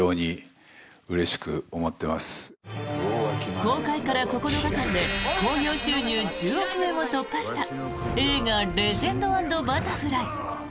公開から９日間で興行収入１０億円を突破した映画「レジェンド＆バタフライ」。